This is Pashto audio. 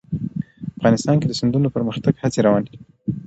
افغانستان کې د سیندونه د پرمختګ هڅې روانې دي.